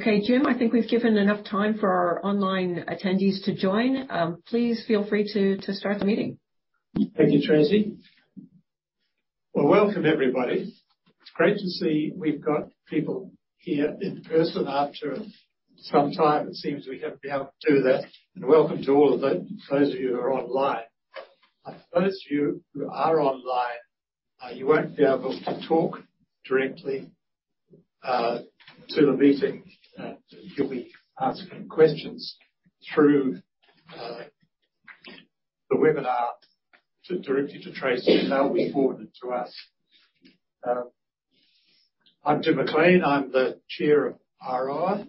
Okay, Jim, I think we've given enough time for our online attendees to join. Please feel free to start the meeting. Thank you, Tracy. Well, welcome, everybody. It's great to see we've got people here in person after some time. It seems we haven't been able to do that, and welcome to all of the, those of you who are online. Those of you who are online, you won't be able to talk directly to the meeting. You'll be asking questions through the webinar to, directly to Tracy, and they'll be forwarded to us. I'm Jim McLean. I'm the chair of Aroa.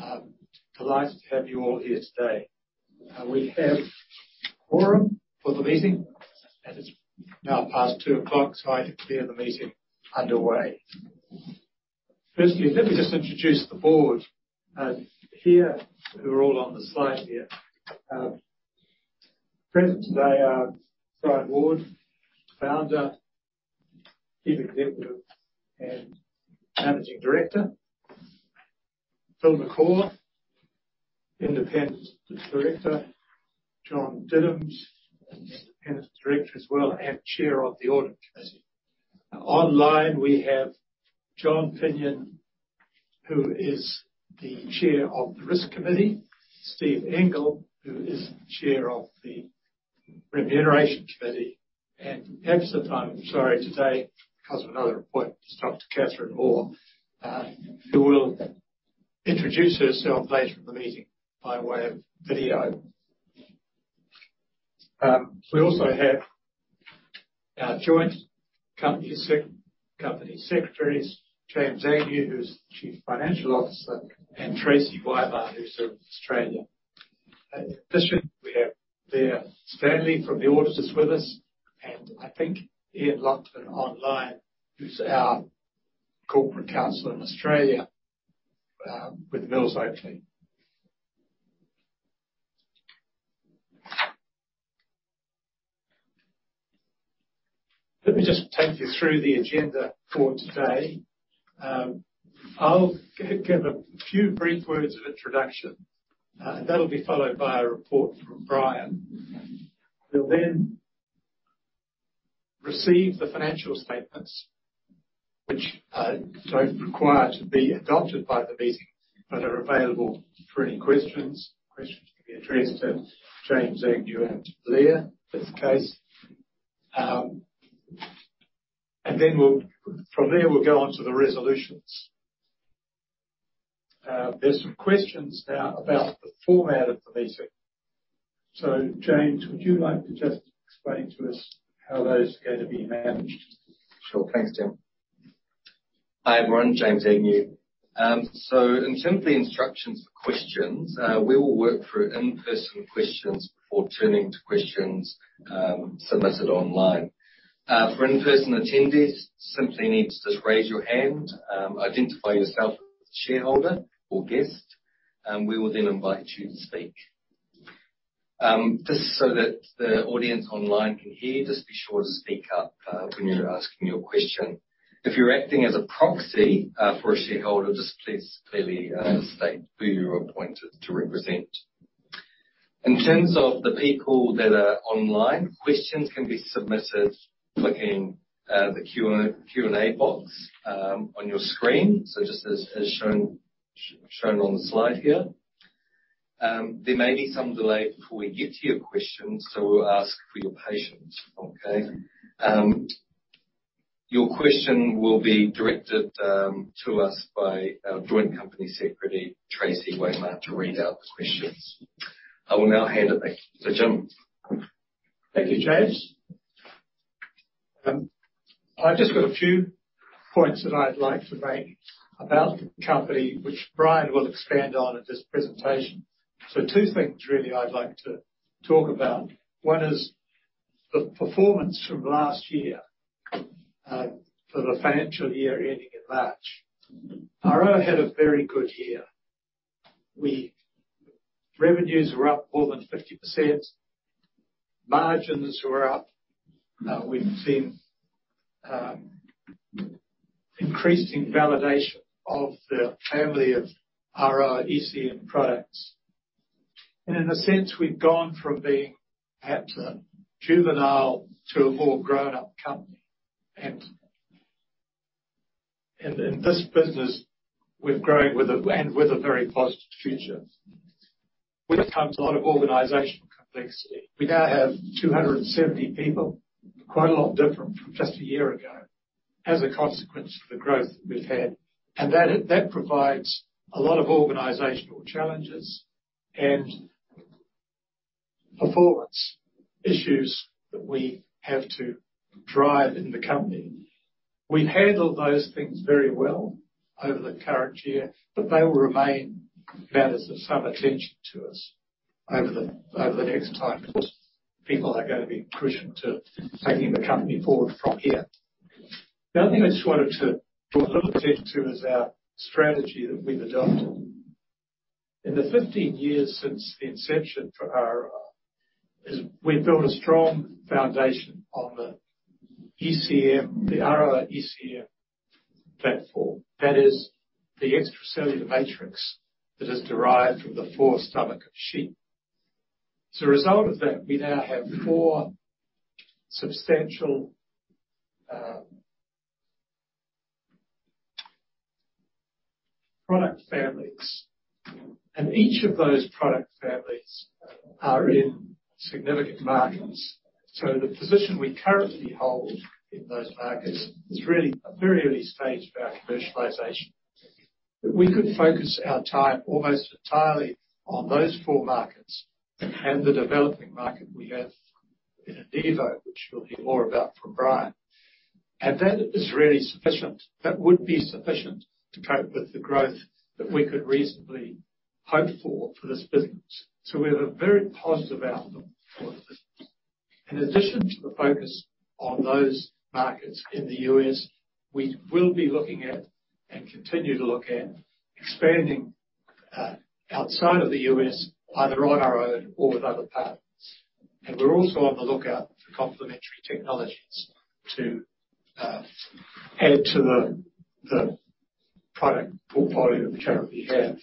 I'm delighted to have you all here today. We have quorum for the meeting, and it's now past 2:00, so I declare the meeting underway. Firstly, let me just introduce the board here, who are all on the slide here. Present today are Brian Ward, Founder, Chief Executive, and Managing Director. Phil McCaw, Independent Director. John Diddams, independent director as well, and chair of the audit committee. Online, we have John Pinion, who is the chair of the Risk Committee, Steve Engle, who is chair of the Remuneration Committee, and absent, I'm sorry, today, because of another appointment, is Dr. Catherine Mohr, who will introduce herself later in the meeting by way of video. We also have our joint company secretaries, James Agnew, who's the chief financial officer, and Tracy Weimar, who's in Australia. In addition, we have Leah Stanley from the auditors with us, and I think Ian Lockton online, who's our corporate counsel in Australia, with Mills Oakley. Let me just take you through the agenda for today. I'll give a few brief words of introduction, and that'll be followed by a report from Brian. We'll then receive the financial statements, which don't require to be adopted by the meeting, but are available for any questions. Questions can be addressed to James Agnew and Leah, if that's the case. Then we'll. From there, we'll go on to the resolutions. There's some questions now about the format of the meeting. James, would you like to just explain to us how those are going to be managed? Sure. Thanks, Jim. Hi, everyone. James Agnew. In terms of the instructions for questions, we will work through in-person questions before turning to questions submitted online. For in-person attendees, simply need to just raise your hand, identify yourself as a shareholder or guest, and we will then invite you to speak. Just so that the audience online can hear, just be sure to speak up when you're asking your question. If you're acting as a proxy, for a shareholder, just please clearly state who you're appointed to represent. In terms of the people that are online, questions can be submitted by clicking the Q&A, Q&A box on your screen. Just as, as shown, shown on the slide here. There may be some delay before we get to your question, so we'll ask for your patience. Okay? Your question will be directed to us by our joint company secretary, Tracy Weimar, to read out the questions. I will now hand it back to Jim. Thank you, Jim. I've just got a few points that I'd like to make about the company, which Brian will expand on in this presentation. Two things, really, I'd like to talk about. One is the performance from last year, for the financial year ending in March. Aroa had a very good year. Revenues were up more than 50%. Margins were up. We've seen increasing validation of the family of Aroa ECM products. In a sense, we've gone from being perhaps a juvenile to a more grown-up company. In this business, we've grown and with a very positive future. With it comes a lot of organizational complexity. We now have 270 people, quite a lot different from just a year ago, as a consequence of the growth we've had. That, that provides a lot of organizational challenges and performance issues that we have to drive in the company. We've handled those things very well over the current year, but they will remain matters of some attention to us over the, over the next time. Of course, people are gonna be crucial to taking the company forward from here. The other thing I just wanted to draw a little attention to is our strategy that we've adopted. In the 15 years since the inception for RRI, is we've built a strong foundation on the ECM, the RRI ECM platform. That is the extracellular matrix that is derived from the four stomach of sheep. As a result of that, we now have four substantial product families, and each of those product families are in significant markets. The position we currently hold in those markets is really a very early stage for our commercialization. We could focus our time almost entirely on those four markets and the developing market we have in Anivo, which you'll hear more about from Brian. That is really sufficient. That would be sufficient to cope with the growth that we could reasonably hope for, for this business. We have a very positive outlook for the business. In addition to the focus on those markets in the U.S., we will be looking at, and continue to look at, expanding outside of the U.S., either on our own or with other partners. We're also on the lookout for complementary technologies to add to the product portfolio we currently have.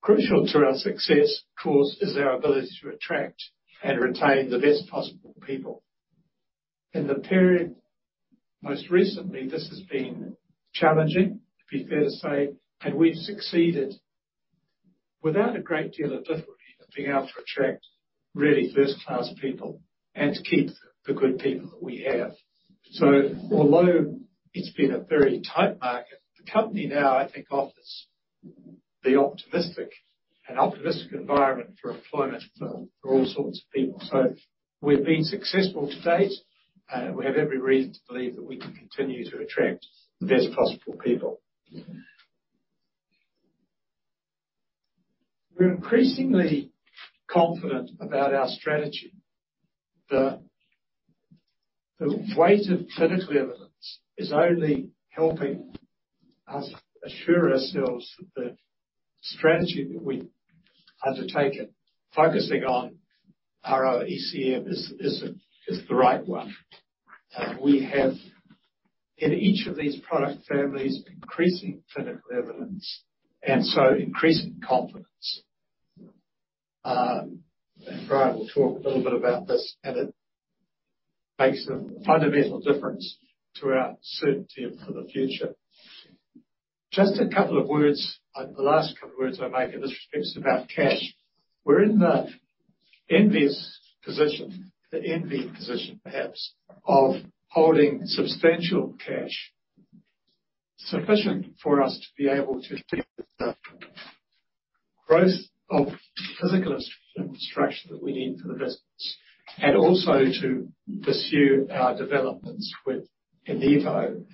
Crucial to our success, of course, is our ability to attract and retain the best possible people. In the period, most recently, this has been challenging, it'd be fair to say, and we've succeeded without a great deal of difficulty, of being able to attract really first-class people and to keep the good people that we have. Although it's been a very tight market, the company now, I think, offers an optimistic environment for employment for, for all sorts of people. We've been successful to date, we have every reason to believe that we can continue to attract the best possible people. We're increasingly confident about our strategy. The weight of clinical evidence is only helping us assure ourselves that the strategy that we've undertaken, focusing on ROECM, is, is, is the right one. We have, in each of these product families, increasing clinical evidence and so increasing confidence. Brian will talk a little bit about this, and it makes a fundamental difference to our certainty for the future. Just a couple of words, the last couple of words I'll make in this respect is about cash. We're in the envious position, the envied position, perhaps, of holding substantial cash, sufficient for us to be able to deal with the growth of physical infrastructure that we need for the business, and also to pursue our developments with Anivo,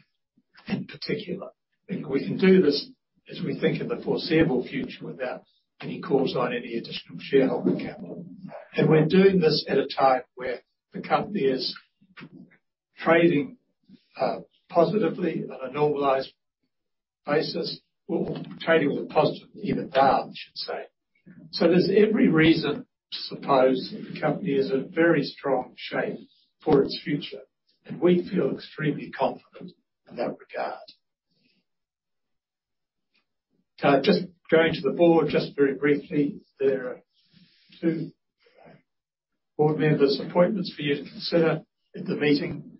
in particular. We can do this, as we think, in the foreseeable future without any calls on any additional shareholder capital. We're doing this at a time where the company is trading, positively on a normalized basis, or trading with positive EBITDA, I should say. There's every reason to suppose that the company is in very strong shape for its future, and we feel extremely confident in that regard. Just going to the board, just very briefly, there are two board members' appointments for you to consider in the meeting.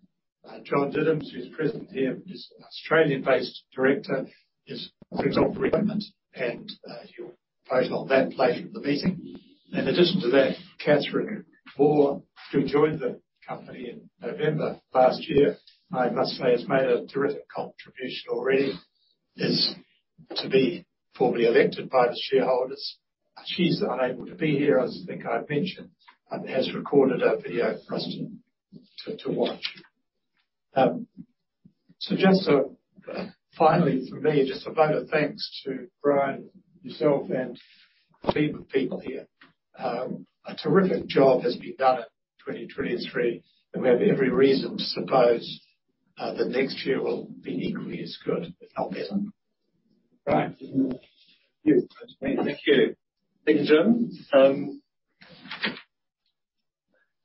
John Didham, who's present here, is an Australian-based director, is putting up for appointment, and you'll vote on that later in the meeting. In addition to that, Catherine Mohr, who joined the company in November last year, I must say, has made a terrific contribution already, is to be formally elected by the shareholders. She's unable to be here, as I think I've mentioned, and has recorded a video for us to, to watch. Just, finally, from me, just a vote of thanks to Brian, yourself, and the team of people here. A terrific job has been done in 2023, and we have every reason to suppose, that next year will be equally as good, if not better. Brian? Thank you. Thank you, Jim.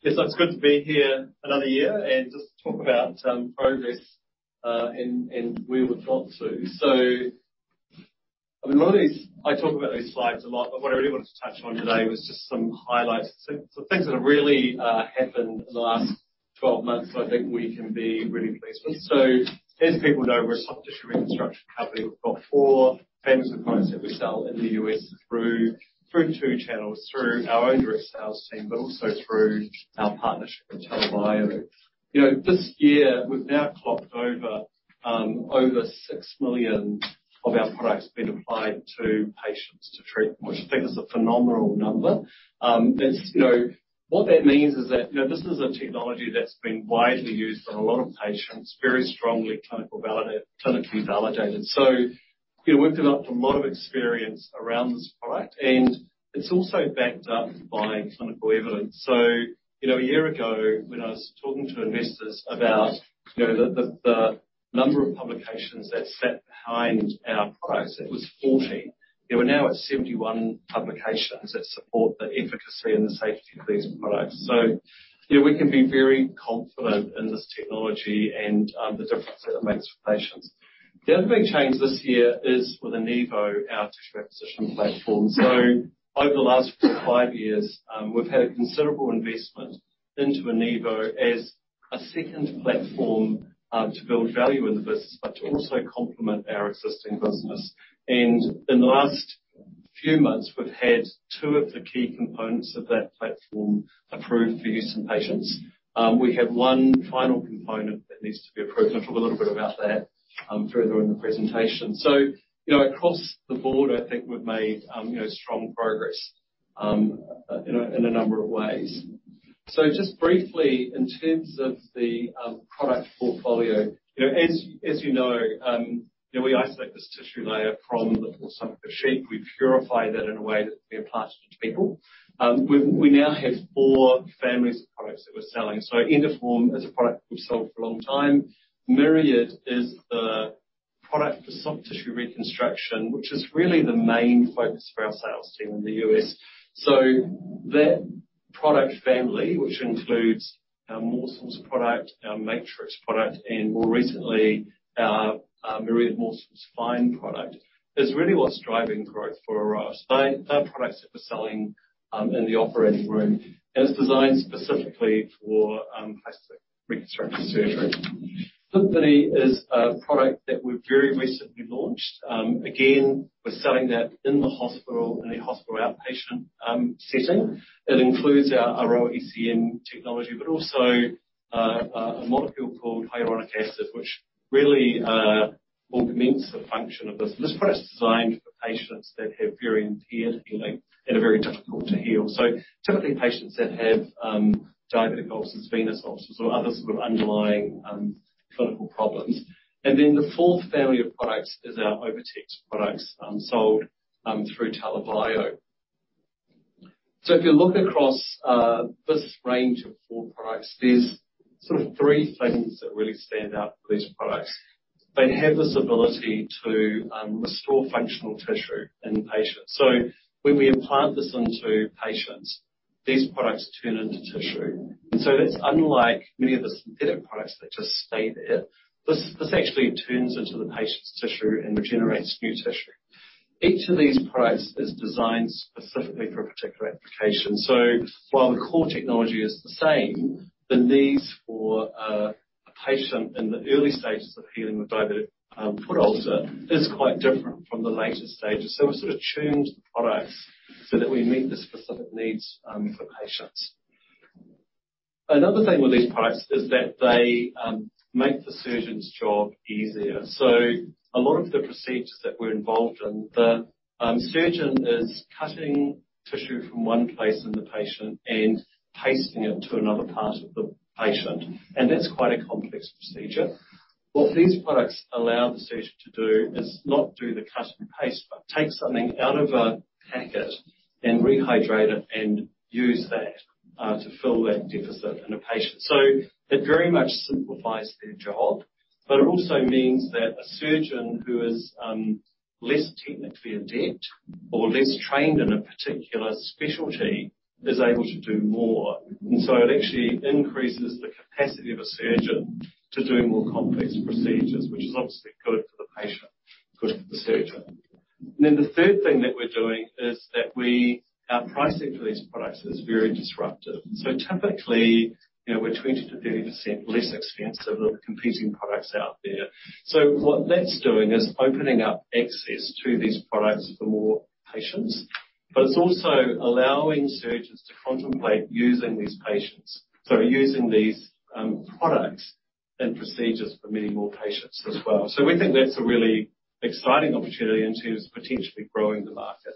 Yes, it's good to be here another year and just talk about progress and, and where we've got to. I mean, I talk about these slides a lot, but what I really wanted to touch on today was just some highlights, some, some things that have really happened in the last 12 months that I think we can be really pleased with. As people know, we're a soft-tissue reconstruction company. We've got four families of products that we sell in the U.S. through, through two channels: through our own direct sales team, but also through our partnership with TELA Bio. You know, this year, we've now clocked over over 6 million of our products being applied to patients to treat, which I think is a phenomenal number. It's, you know... What that means is that, you know, this is a technology that's been widely used on a lot of patients, very strongly clinically validated. You know, we've developed a lot of experience around this product, and it's also backed up by clinical evidence. You know, a year ago, when I was talking to investors about... You know, the number of publications that sat behind our products, it was 40. We are now at 71 publications that support the efficacy and the safety of these products. You know, we can be very confident in this technology and the difference that it makes for patients. The other big change this year is with Enivo, our tissue acquisition platform. Over the last five years, we've had a considerable investment into Enivo as a second platform, to build value in the business, but to also complement our existing business. In the last few months, we've had two of the key components of that platform approved for use in patients. We have one final component that needs to be approved, and I'll talk a little bit about that further in the presentation. You know, across the board, I think we've made, you know, strong progress in a number of ways. Just briefly, in terms of the product portfolio, you know, as, as you know, you know, we isolate this tissue layer from the full stomach of a sheep. We purify that in a way that can be implanted into people. We, we now have four families of products that we're selling. Endoform is a product we've sold for a long time. Myriad is the product for soft tissue reconstruction, which is really the main focus for our sales team in the U.S. That product family, which includes our morsels product, our matrix product, and more recently, our, our Myriad morsels fine product, is really what's driving growth for Aroa. They're products that we're selling, in the operating room, and it's designed specifically for, plastic reconstructive surgery. Symphony is a product that we've very recently launched. Again, we're selling that in the hospital, in a hospital outpatient, setting. It includes our Aroa ECM technology, but also, a molecule called hyaluronic acid, which really, augments the function of this. This product is designed for patients that have very impaired healing and are very difficult to heal. Typically patients that have diabetic ulcers, venous ulcers, or other sort of underlying clinical problems. The fourth family of products is our OviTex products, sold through Taleo Bio. If you look across this range of four products, there's sort of three things that really stand out for these products. They have this ability to restore functional tissue in patients. When we implant this into patients, these products turn into tissue. That's unlike many of the synthetic products that just stay there. This actually turns into the patient's tissue and regenerates new tissue. Each of these products is designed specifically for a particular application. While the core technology is the same, the needs for a patient in the early stages of healing with diabetic foot ulcer is quite different from the later stages. We've sort of tuned the products so that we meet the specific needs for patients. Another thing with these products is that they make the surgeon's job easier. A lot of the procedures that we're involved in, the surgeon is cutting tissue from one place in the patient and pasting it to another part of the patient, and that's quite a complex procedure. What these products allow the surgeon to do is not do the cut and paste, but take something out of a packet and rehydrate it and use that to fill that deficit in a patient. It very much simplifies their job, but it also means that a surgeon who is less technically adept or less trained in a particular specialty is able to do more. It actually increases the capacity of a surgeon to do more complex procedures, which is obviously good for the patient, good for the surgeon. The third thing that we're doing is that our pricing for these products is very disruptive. Typically, you know, we're 20%-30% less expensive than the competing products out there. What that's doing is opening up access to these products for more patients, but it's also allowing surgeons to contemplate using these patients. Using these products and procedures for many more patients as well. We think that's a really exciting opportunity in terms of potentially growing the market.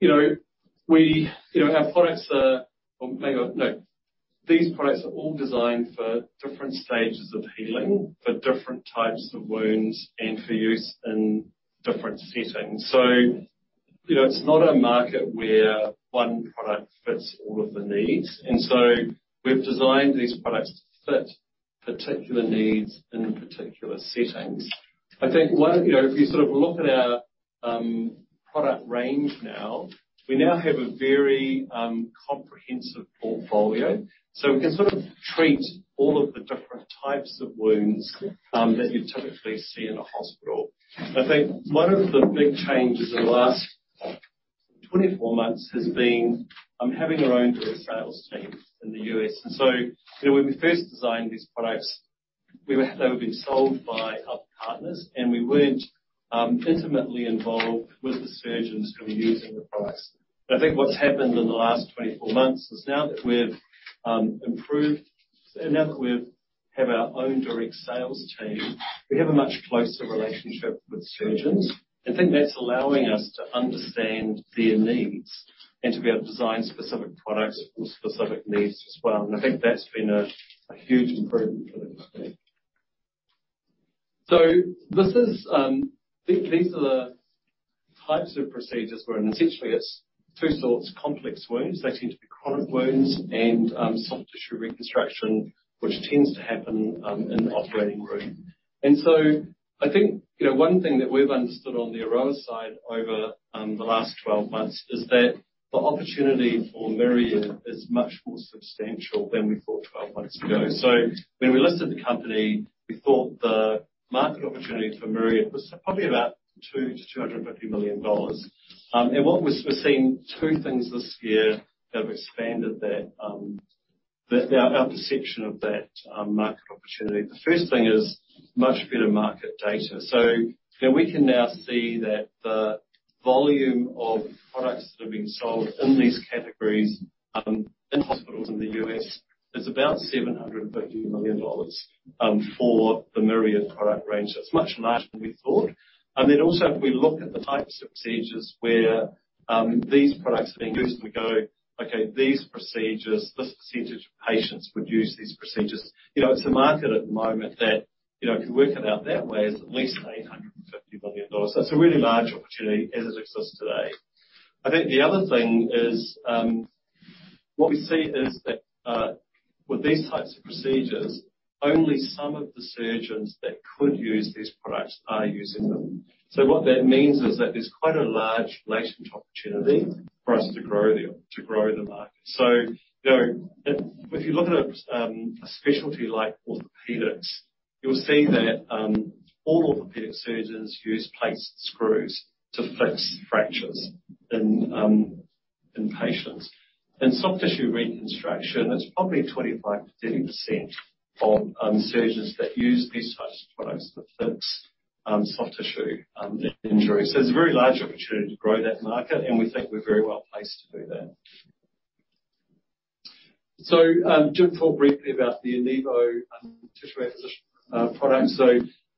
You know, we, you know, our products are, or maybe. No, these products are all designed for different stages of healing, for different types of wounds, and for use in different settings. You know, it's not a market where one product fits all of the needs, and so we've designed these products to fit particular needs in particular settings. I think one, you know, if you sort of look at our product range now, we now have a very comprehensive portfolio, so we can sort of treat all of the different types of wounds that you'd typically see in a hospital. I think one of the big changes in the last 24 months has been having our own direct sales team in the U.S. You know, when we first designed these products, we were they were being sold by other partners, and we weren't intimately involved with the surgeons who were using the products. I think what's happened in the last 24 months is now that we've improved, and now that we've have our own direct sales team, we have a much closer relationship with surgeons. I think that's allowing us to understand their needs and to be able to design specific products for specific needs as well. I think that's been a huge improvement for the company. This is, these are the types of procedures where essentially it's two sorts, complex wounds, they seem to be chronic wounds and soft tissue reconstruction, which tends to happen in the operating room. I think, you know, one thing that we've understood on the Aroa side over the last 12 months is that the opportunity for Myriad is much more substantial than we thought 12 months ago. When we listed the company, we thought the market opportunity for Myriad was probably about $2 million-$250 million. What we're, we're seeing two things this year that have expanded that, that our, our perception of that market opportunity. The first thing is much better market data. We can now see that the volume of products that are being sold in these categories, in hospitals in the U.S., is about $750 million for the Myriad product range. That's much larger than we thought. Also, if we look at the types of procedures where these products are being used, we go, "Okay, these procedures, this percentage of patients would use these procedures." You know, it's a market at the moment that, you know, if you work it out that way, is at least $850 million. It's a really large opportunity as it exists today. I think the other thing is, what we see is that with these types of procedures, only some of the surgeons that could use these products are using them. What that means is that there's quite a large latent opportunity for us to grow the, to grow the market. You know, if, if you look at a specialty like orthopedics, you'll see that all orthopedic surgeons use plates and screws to fix fractures in patients. In soft tissue reconstruction, it's probably 25%-30% of surgeons that use these types of products to fix soft tissue injuries. It's a very large opportunity to grow that market, and we think we're very well placed to do that. Just talk briefly about the Inevo tissue acquisition product.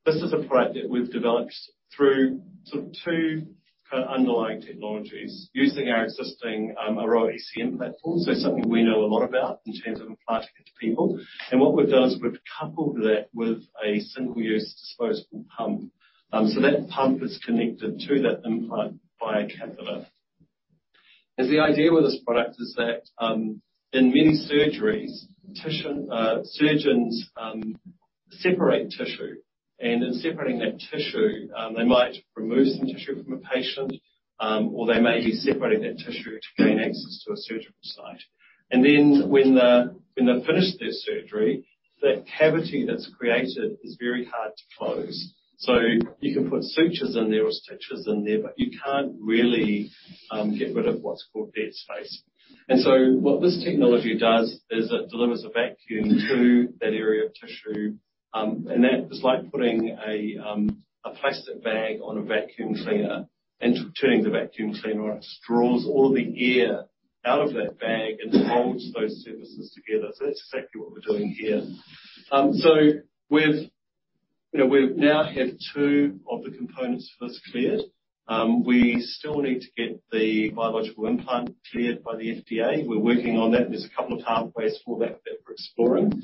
This is a product that we've developed through sort of two kind of underlying technologies using our existing Aroa ECM platform. Something we know a lot about in terms of implanting it to people. What we've done is we've coupled that with a single-use disposable pump. So that pump is connected to that implant by a catheter. As the idea with this product is that, in many surgeries, tissue, surgeons, separate tissue, and in separating that tissue, they might remove some tissue from a patient, or they may be separating that tissue to gain access to a surgical site. When the, when they've finished their surgery, that cavity that's created is very hard to close. You can put sutures in there or stitches in there, but you can't really, get rid of what's called dead space. What this technology does is it delivers a vacuum to that area of tissue, and that is like putting a, a plastic bag on a vacuum cleaner and turning the vacuum cleaner on. It draws all the air out of that bag and holds those surfaces together. That's exactly what we're doing here. We've, you know, we've now have two of the components for this cleared. We still need to get the biological implant cleared by the FDA. We're working on that. There's a couple of pathways for that, that we're exploring.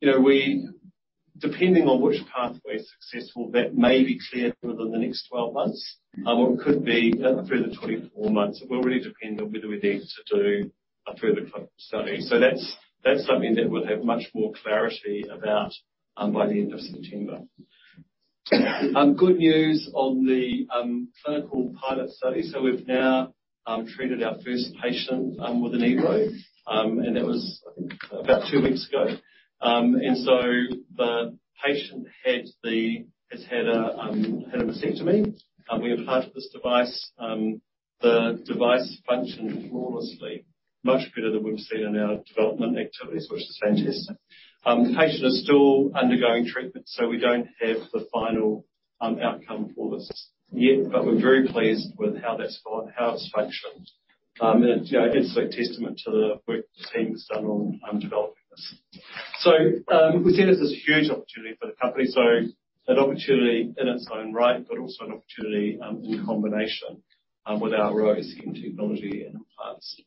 You know, depending on which pathway is successful, that may be cleared within the next 12 months, or could be through the 24 months. It will really depend on whether we need to do a further clinical study. That's, that's something that we'll have much more clarity about by the end of September. Good news on the clinical pilot study. We've now treated our first patient with Inevo, and that was, I think, about two weeks ago. The patient has had a mastectomy, we implanted this device, the device functioned flawlessly, much better than we've seen in our development activities, which is fantastic. The patient is still undergoing treatment, so we don't have the final outcome for this just yet, but we're very pleased with how that's gone, how it's functioned. You know, it's a testament to the work the team has done on developing this. We see this as a huge opportunity for the company, so an opportunity in its own right, but also an opportunity in combination with our ECM technology and implants.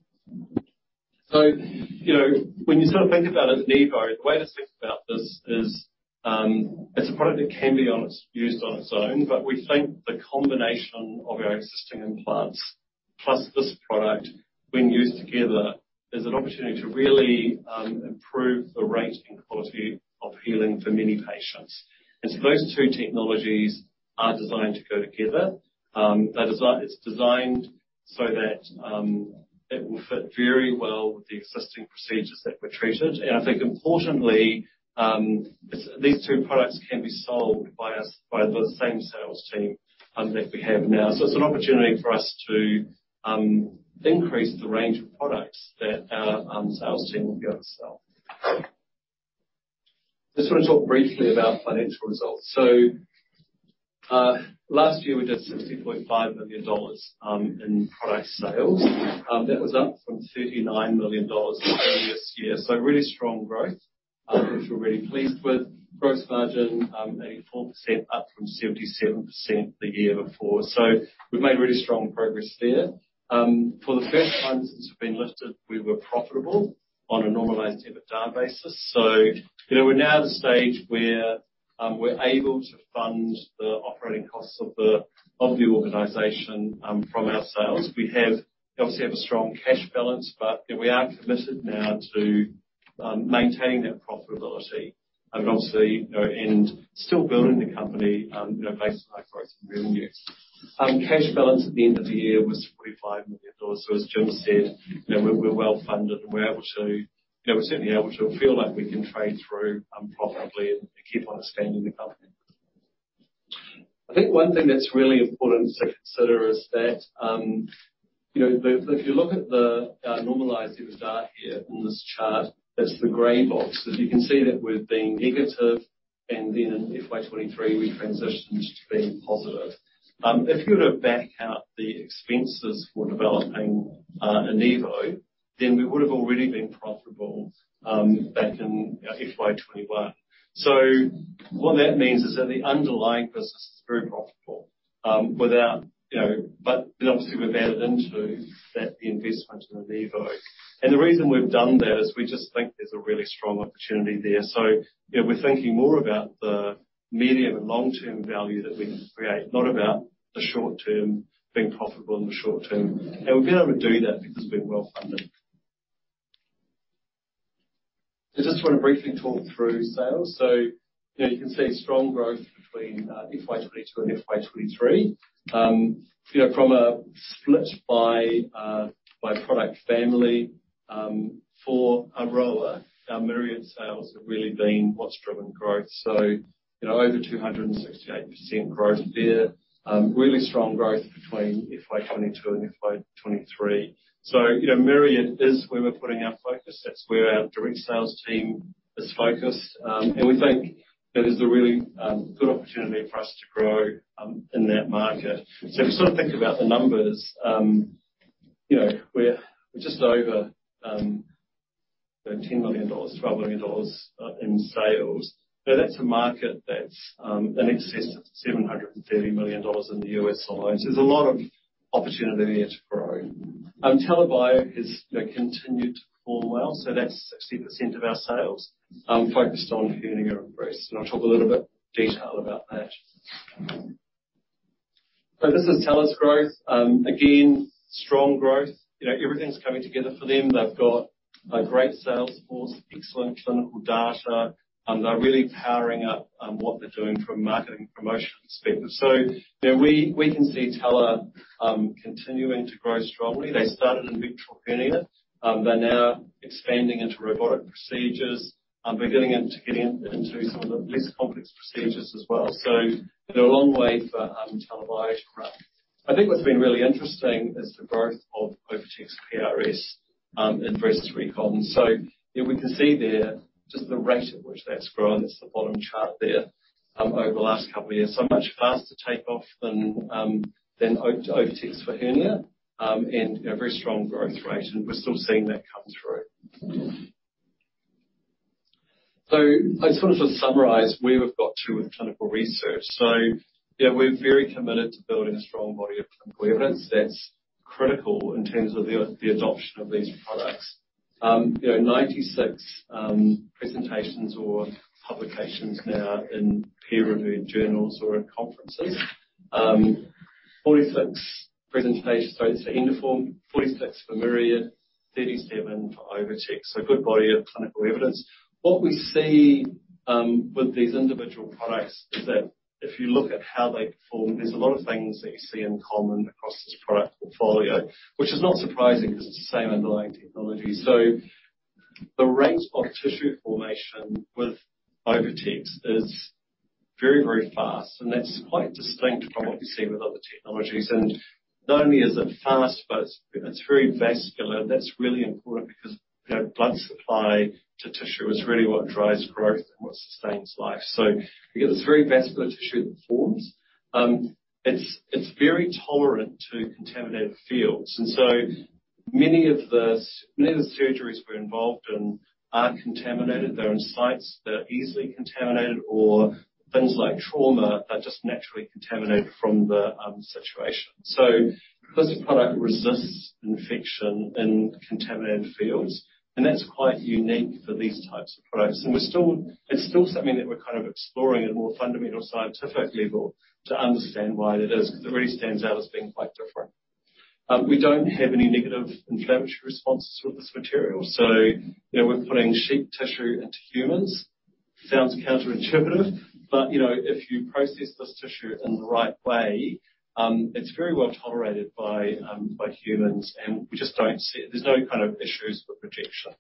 You know, when you sort of think about Inevo, the way to think about this is, it's a product that can be used on its own, but we think the combination of our existing implants, plus this product when used together, is an opportunity to really improve the rate and quality of healing for many patients. Those two technologies are designed to go together. It's designed so that it will fit very well with the existing procedures that were treated. I think importantly, these two products can be sold by us, by the same sales team, that we have now. It's an opportunity for us to increase the range of products that our sales team will be able to sell. I just want to talk briefly about financial results. Last year, we did $60.5 million in product sales. That was up from $39 million the previous year. Really strong growth, which we're really pleased with. Gross margin, 84%, up from 77% the year before. We've made really strong progress there. For the first time since we've been listed, we were profitable on a normalized EBITDA basis. You know, we're now at the stage we're able to fund the operating costs of the, of the organization from our sales. We have, obviously have a strong cash balance, but, you know, we are committed now to maintaining that profitability and obviously, you know, and still building the company, you know, based on high growth and revenue. Cash balance at the end of the year was $45 million. As Jim said, you know, we're, we're well funded, and we're able to. You know, we're certainly able to feel like we can trade through profitably and keep on expanding the company. I think one thing that's really important to consider is that, you know, if you look at the normalized EBITDA here in this chart, it's the gray box. As you can see that we've been negative, and then in FY 2023, we transitioned to being positive. If you were to back out the expenses for developing Enivo, then we would have already been profitable back in FY 2021. What that means is that the underlying business is very profitable, without, you know, but then obviously, we've added into that the investment in Enivo. The reason we've done that is we just think there's a really strong opportunity there. You know, we're thinking more about the medium and long-term value that we can create, not about the short term, being profitable in the short term. We've been able to do that because we're well-funded. I just want to briefly talk through sales. You know, you can see strong growth between FY 2022 and FY 2023. You know, from a split by product family, for ROLA, our Myriad sales have really been what's driven growth. You know, over 268% growth there. Really strong growth between FY 2022 and FY 2023. You know, Myriad is where we're putting our focus. That's where our direct sales team is focused. We think there is a really good opportunity for us to grow in that market. If you sort of think about the numbers, you know, we're just over $10 million, $12 million in sales. That's a market that's in excess of $730 million in the U.S. alone. There's a lot of opportunity there to grow. TeleBio has, you know, continued to perform well, that's 60% of our sales focused on hernia and breast. I'll talk a little bit detail about that. This is Tela's growth. Again, strong growth. You know, everything's coming together for them. They've got a great sales force, excellent clinical data, and they're really powering up what they're doing from a marketing promotion perspective. You know, we, we can see Tela continuing to grow strongly. They started in ventral hernia, they're now expanding into robotic procedures, and getting into some of the less complex procedures as well. They're a long way for TeleBio to grow. I think what's been really interesting is the growth of OvuTex PRS in breast recon. You know, we can see there just the rate at which that's grown. It's the bottom chart there, over the last two years. Much faster takeoff than OvuTex for hernia, and a very strong growth rate, and we're still seeing that come through. I just wanted to summarize where we've got to with clinical research. You know, we're very committed to building a strong body of clinical evidence that's critical in terms of the, the adoption of these products. You know, 96 presentations or publications now in peer-reviewed journals or at conferences. 46 presentations, so it's for Endoform, 46 for Myriad, 37 for OviTex. A good body of clinical evidence. What we see with these individual products is that if you look at how they perform, there's a lot of things that you see in common across this product portfolio, which is not surprising because it's the same underlying technology. The rates of tissue formation with OviTex is very, very fast, and that's quite distinct from what we see with other technologies. Not only is it fast, but it's, it's very vascular, and that's really important because, you know, blood supply to tissue is really what drives growth and what sustains life. You get this very vascular tissue that forms. It's, it's very tolerant to contaminated fields, and so many of the, many of the surgeries we're involved in are contaminated. They're in sites that are easily contaminated, or things like trauma are just naturally contaminated from the situation. So this product resists infection in contaminated fields, and that's quite unique for these types of products. We're still It's still something that we're kind of exploring at a more fundamental scientific level to understand why that is. It really stands out as being quite different. We don't have any negative inflammatory responses with this material. You know, we're putting sheep tissue into humans. Sounds counterintuitive, you know, if you process this tissue in the right way, it's very well tolerated by humans, and we just don't see it. There's no kind of issues with rejection.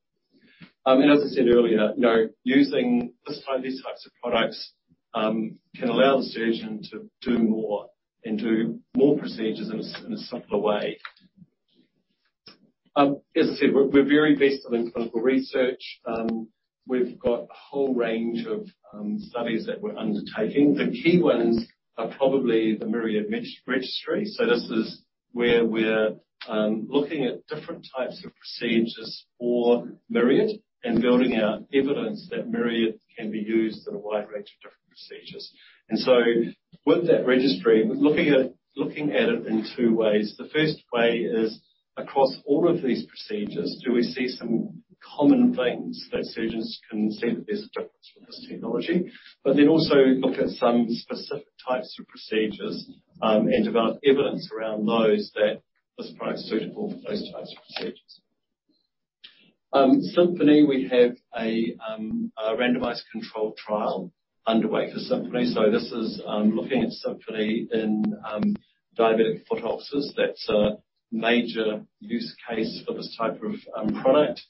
As I said earlier, you know, using this type, these types of products, can allow the surgeon to do more and do more procedures in a simpler way. As I said, we're very based on clinical research. We've got a whole range of studies that we're undertaking. The key ones are probably the Myriad Registry. This is where we're looking at different types of procedures for Myriad and building out evidence that Myriad can be used in a wide range of different procedures. With that registry, looking at, looking at it in two ways, the first way is across all of these procedures, do we see some common themes that surgeons can see that there's a difference with this technology? Then also look at some specific types of procedures, and develop evidence around those that this product is suitable for those types of procedures. Symphony, we have a randomized controlled trial underway for Symphony. This is looking at Symphony in diabetic foot ulcers. That's a major use case for this type of product.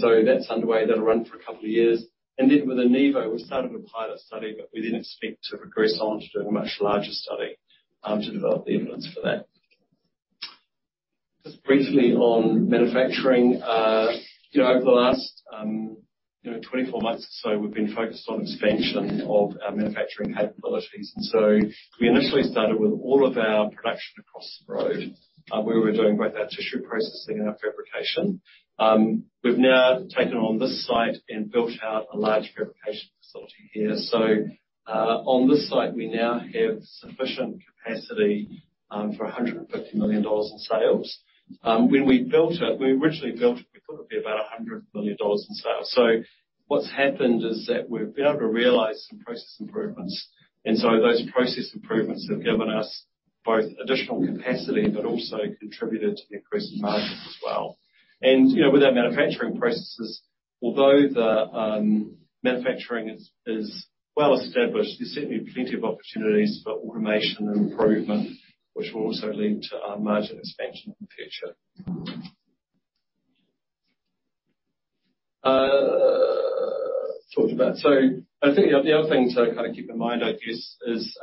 So that's underway. That'll run for a couple of years. Then with Anivo, we started a pilot study, but we then expect to progress on to do a much larger study, to develop the evidence for that. Just briefly on manufacturing, you know, over the last, you know, 24 months or so, we've been focused on expansion of our manufacturing capabilities. So we initially started with all of our production across the road, where we were doing both our tissue processing and our fabrication. We've now taken on this site and built out a large fabrication facility here. So, on this site, we now have sufficient capacity for $150 million in sales. When we built it, we originally built it, we thought it'd be about $100 million in sales. What's happened is that we've been able to realize some process improvements, so those process improvements have given us both additional capacity, but also contributed to the increase in margins as well. You know, with our manufacturing processes, although the manufacturing is well established, there's certainly plenty of opportunities for automation and improvement, which will also lead to margin expansion in the future. Talked about. I think the, the other thing to kind of keep in mind, I guess, is,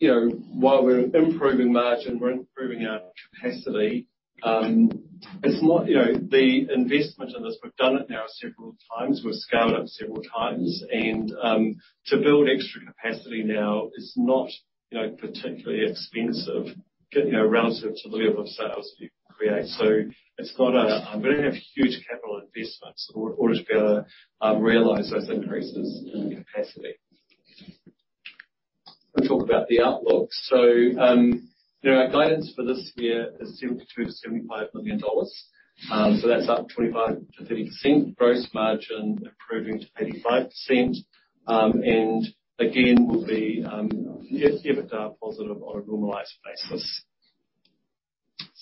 you know, while we're improving margin, we're improving our capacity, it's not, you know, the investment in this, we've done it now several times. We've scaled up several times, and to build extra capacity now is not, you know, particularly expensive, you know, relative to the level of sales we create. It's not a, we don't have huge capital investments in order to be able to realize those increases in capacity. Let's talk about the outlook. You know, our guidance for this year is $72 million-$75 million. That's up 25%-30%. Gross margin improving to 85%. Again, we'll be EBITDA positive on a normalized basis.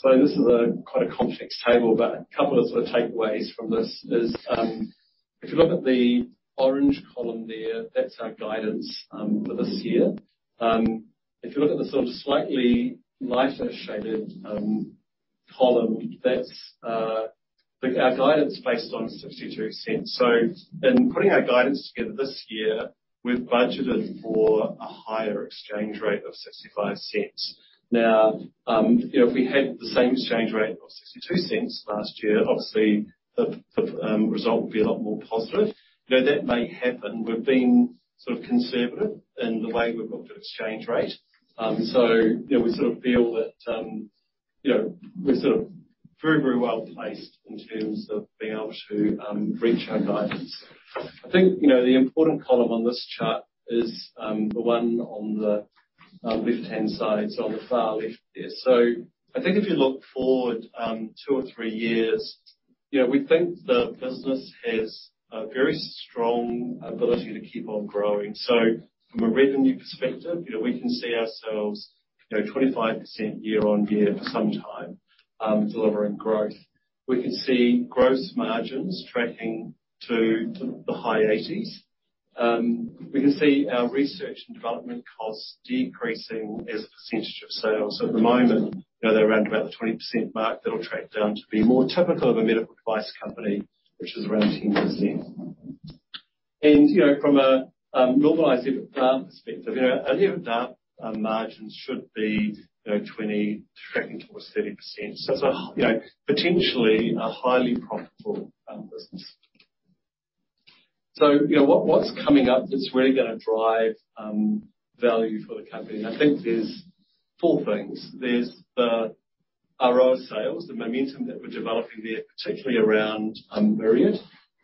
This is a quite a complex table, but a couple of sort of takeaways from this is, if you look at the orange column there, that's our guidance for this year. If you look at the sort of slightly lighter shaded column, that's our guidance based on $0.62. In putting our guidance together this year, we've budgeted for a higher exchange rate of $0.65. You know, if we had the same exchange rate of $0.62 last year, obviously, the, the result would be a lot more positive. You know, that may happen. We've been sort of conservative in the way we've looked at exchange rate. You know, we sort of feel that, you know, we're sort of very, very well placed in terms of being able to reach our guidance. I think, you know, the important column on this chart is the one on the left-hand side, so on the far left there. I think if you look forward, two or three years, you know, we think the business has a very strong ability to keep on growing. From a revenue perspective, you know, we can see ourselves, you know, 25% year-on-year for some time, delivering growth. We can see gross margins tracking to the high eighties. We can see our research and development costs decreasing as a percentage of sales. At the moment, you know, they're around about the 20% mark. That'll track down to be more typical of a medical device company, which is around 10%. You know, from a normalized EBITDA perspective, you know, our EBITDA margins should be, you know, 20% tracking towards 30%. It's a, you know, potentially a highly profitable business. You know, what, what's coming up that's really gonna drive value for the company? I think there's four things. There's the Aroa sales, the momentum that we're developing there, particularly around Myriad,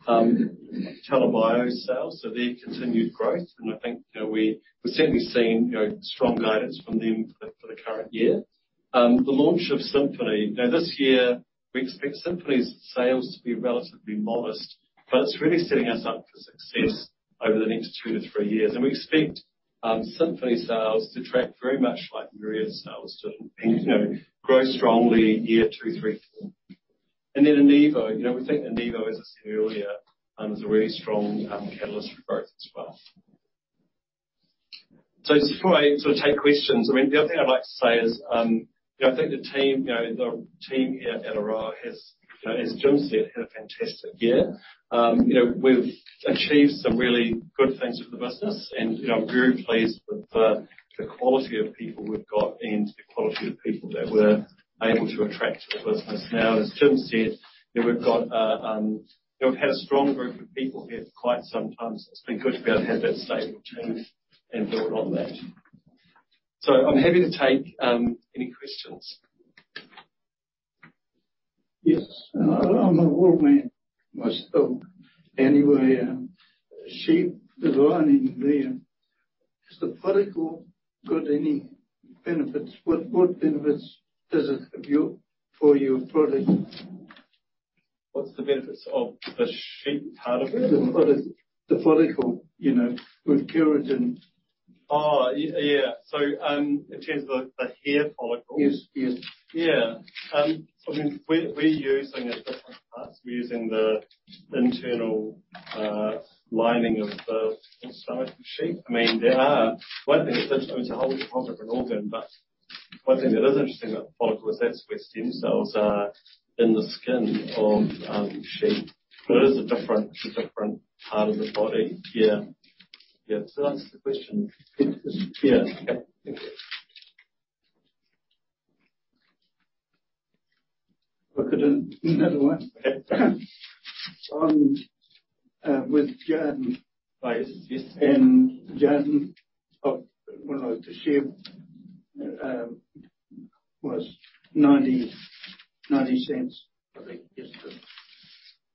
Telebio sales, so their continued growth, and I think, you know, we're certainly seeing, you know, strong guidance from them for, for the current year. The launch of Symphony. This year, we expect Symphony's sales to be relatively modest, but it's really setting us up for success over the next two to three years. We expect Symphony sales to track very much like Myriad sales to, you know, grow strongly year two, three, four. Then Anivo, you know, we think Anivo, as I said earlier, is a really strong catalyst for growth as well. Just before I sort of take questions, I mean, the other thing I'd like to say is, you know, I think the team, you know, the team here at Aroa has, you know, as Jim said, had a fantastic year. You know, we've achieved some really good things for the business, and, you know, I'm very pleased with the, the quality of people we've got and the quality of people that we're able to attract to the business. As Jim said, you know, we've got a, you know, we've had a strong group of people here for quite some time, so it's been good to be able to have that stable team and build on that. I'm happy to take any questions. Yes, I'm a wool man, myself. Anyway, sheep is lining there. Has the follicle got any benefits? What, what benefits does it give you for your product? What's the benefits of the sheep part of it? The follicle, you know, with keratin. Oh, yeah. In terms of the, the hair follicle? Yes, yes. Yeah. I mean, we're using a different parts. We're using the internal lining of the stomach of the sheep. I mean, there are. One thing that's, it's a whole different organ, but one thing that is interesting about the follicle is that's where stem cells are in the skin of sheep. It is a different, different part of the body. Yeah. Yeah. Does that answer the question? Yeah. Okay. Thank you. Look at another one. With Jarden. Right. Yes. Jarden, of, well, the share, was 0.90, I think, yesterday.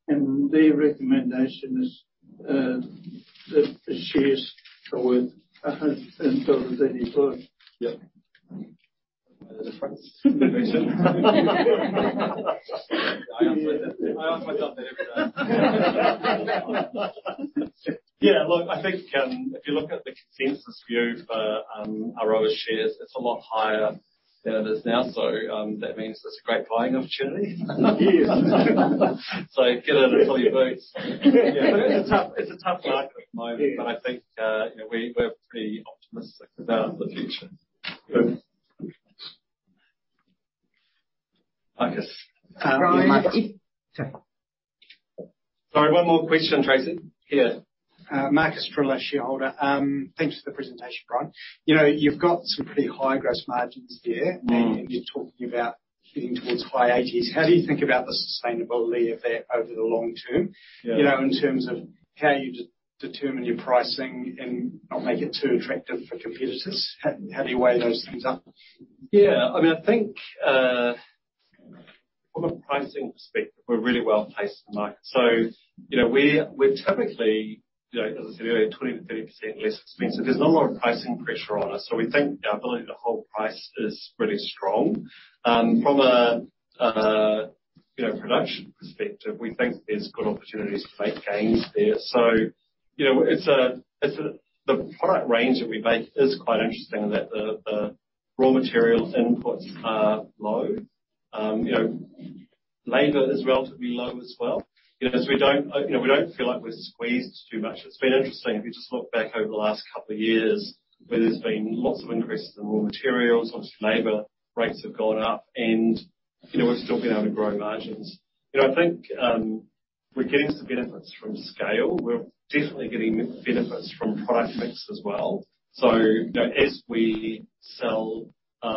Their recommendation is that the shares are worth until the 31st. Yeah. What a difference. I ask myself that every day. Yeah, look, I think, if you look at the consensus view for our shares, it's a lot higher than it is now. That means it's a great buying opportunity. Yeah. get in it till you boots. Yeah, it's a tough, it's a tough market at the moment. Yeah. I think, you know, we- we're pretty optimistic about the future. Good. Marcus. Brian. Sorry, one more question, Tracy. Yeah. Marcus from shareholder. Thanks for the presentation, Brian. You know, you've got some pretty high gross margins there. You're talking about getting towards high 80s. How do you think about the sustainability of that over the long term? Yeah. You know, in terms of how you determine your pricing and not make it too attractive for competitors. How do you weigh those things up? Yeah, I mean, I think, from a pricing perspective, we're really well-placed in the market. You know, we're, we're typically, you know, as I said earlier, 20%-30% less expensive. There's not a lot of pricing pressure on us, we think our ability to hold price is really strong. From a, you know, production perspective, we think there's good opportunities to make gains there. You know, the product range that we make is quite interesting, in that the raw materials inputs are low. You know, labor is relatively low as well. You know, we don't, you know, we don't feel like we're squeezed too much. It's been interesting, if you just look back over the last couple of years, where there's been lots of increases in raw materials, obviously, labor rates have gone up and, you know, we've still been able to grow margins. You know, I think, we're getting some benefits from scale. We're definitely getting benefits from product mix as well. You know, as we sell,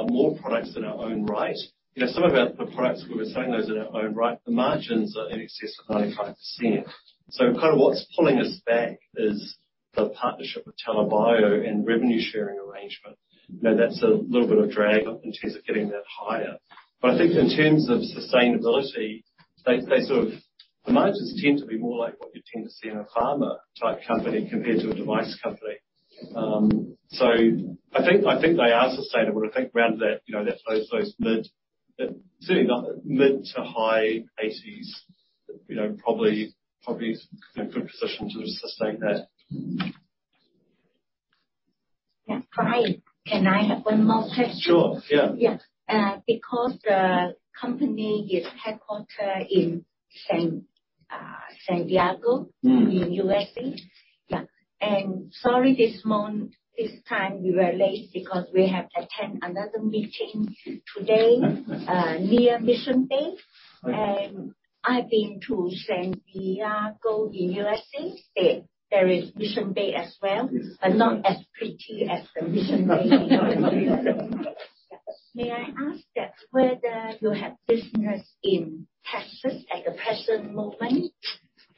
more products in our own right, you know, some of our, the products we were selling those in our own right, the margins are in excess of 95%. Kind of what's pulling us back is the partnership with TELA Bio and revenue sharing arrangement. You know, that's a little bit of drag in terms of getting that higher. I think in terms of sustainability, they The margins tend to be more like what you'd tend to see in a pharma-type company compared to a device company. I think, I think they are sustainable. I think around that, you know, that low, low mid, certainly not mid to high eighties, you know, probably, probably in a good position to sustain that. Yeah. Brian, can I have one more question? Sure. Yeah. Yeah. Because the company is headquartered in San Diego, in USA. Yeah, sorry, this time we were late because we have attend another meeting today, near Mission Bay. Okay. I've been to San Diego, in U.S. There, there is Mission Bay as well... Yes. not as pretty as the Mission Bay in. May I ask that whether you have business in Texas at the present moment?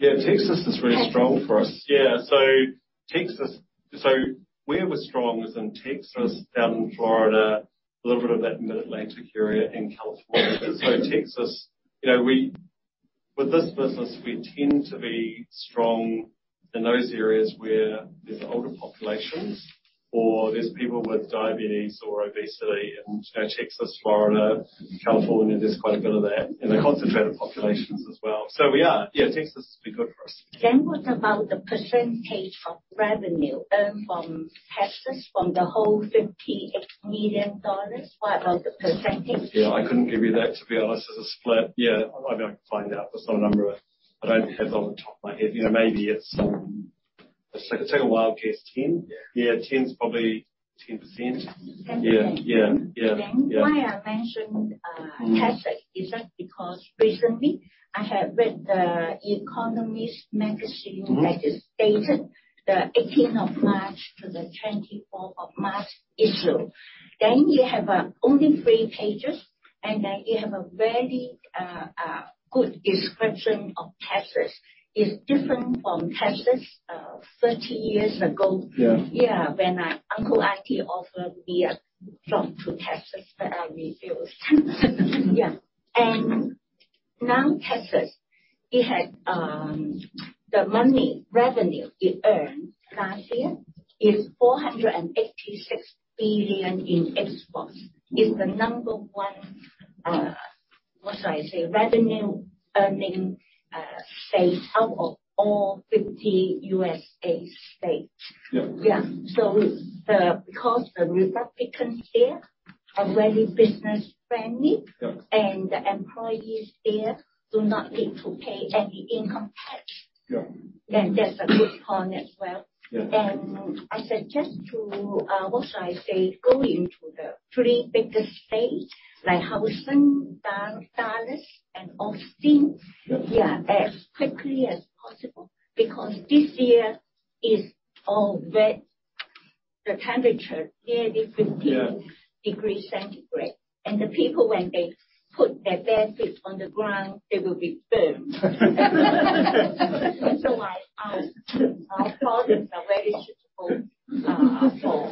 Texas is really strong for us. Texas, so where we're strong is in Texas, down in Florida, a little bit of that Mid-Atlantic area and California. Texas, you know, With this business, we tend to be strong in those areas where there's older populations or there's people with diabetes or obesity. You know, Texas, Florida, California, there's quite a bit of that in the concentrated populations as well. We are. Texas has been good for us. What about the percentage of revenue earned from Texas, from the whole $58 million? What about the percentage? Yeah, I couldn't give you that, to be honest. There's a split. Yeah, I might be able to find out. That's not a number I, I don't have off the top of my head. You know, maybe it's, it's like take a wild guess, 10? Yeah. Yeah, 10 is probably 10%. Okay. Yeah. Yeah. Yeah. Why I mentioned, Texas is just because recently I have read The Economist magazine. That is dated the 18th of March to the 24th of March issue. You have only three pages, you have a very good description of Texas. It's different from Texas, 30 years ago. Yeah. Yeah, when Uncle Ity offered me a job to Texas, but I refused. Yeah. Now, Texas, it had, the money revenue it earned last year is $486 billion in exports. Is the number one, what should I say? Revenue earning state out of all 50 USA states? Yeah. Yeah. because the Republicans there are very business-friendly- Yeah. The employees there do not need to pay any income tax. Yeah. That's a good point as well. Yeah. I suggest to, what should I say? Go into the three biggest states, like Houston, Dallas, and Austin. Yeah. Yeah, as quickly as possible, because this year is all wet. The temperature nearly 50-... Yeah degree centigrade. The people, when they put their bare feet on the ground, they will be burned. my, our products are very suitable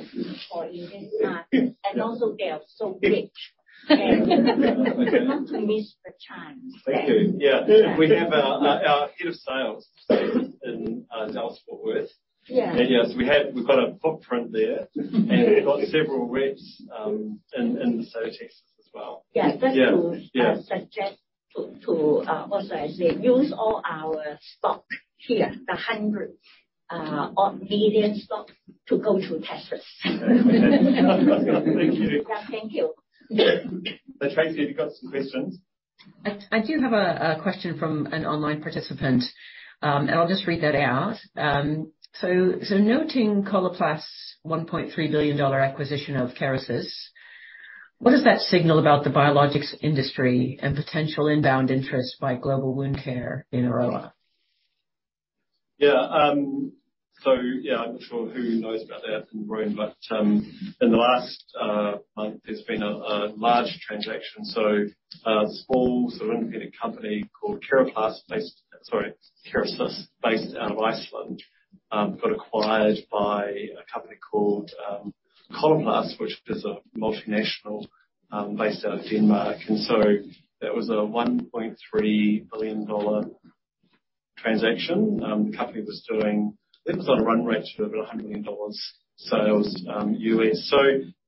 for using. Also, they are so rich. Not to miss the chance. Thank you. Yeah. We have, our, our head of sales stays in, Dallas, Fort Worth. Yeah. Yes, we have we've got a footprint there. We've got several reps, in, in the state of Texas as well. Yeah. Yeah. Just. Yeah suggest to, to, what should I say? Use all our stock here, the 100 or million stock, to go to Texas. Thank you. Yeah. Thank you. Yeah. Tracy, have you got some questions? I do have a question from an online participant. I'll just read that out. Noting Coloplast's $1.3 billion acquisition of Kerecis, what does that signal about the biologics industry and potential inbound interest by global wound care in Aroa? Yeah. I'm not sure who knows about that in the room, but in the last month, there's been a large transaction. A small sort of innovative company called Kereplast, based. Sorry, Kerecis, based out of Iceland, got acquired by a company called Coloplast, which is a multinational, based out of Denmark. That was a $1.3 billion transaction. The company was doing, it was on a run rate for about $100 million sales, U.S.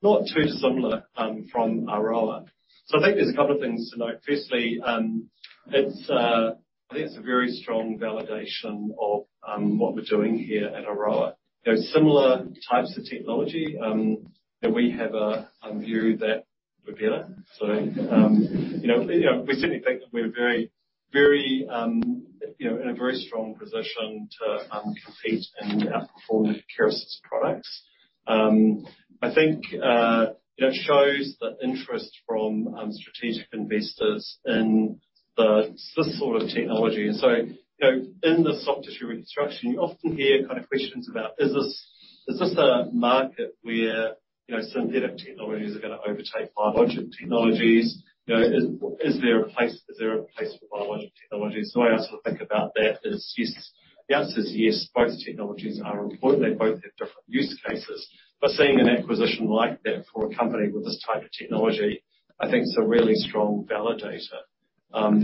Not too similar from Aroa. I think there's a couple of things to note. Firstly, it's, I think it's a very strong validation of what we're doing here at Aroa. You know, similar types of technology, and we have a view that we're better. you know, you know, we certainly think that we're very, very, you know, in a very strong position to compete and outperform Kerecis products. I think it shows the interest from strategic investors in the, this sort of technology. you know, in the soft tissue reconstruction, you often hear kind of questions about: Is this, is this a market where, you know, synthetic technologies are going to overtake biologic technologies? You know, is, is there a place, is there a place for biologic technologies? The way I sort of think about that is yes. The answer is yes, both technologies are important. They both have different use cases. Seeing an acquisition like that for a company with this type of technology, I think is a really strong validator